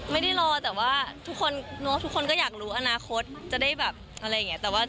ไม่ได้รอแต่ว่าทุกคนทุกคนก็อยากรู้อนาคตจะได้แบบอะไรอย่างนี้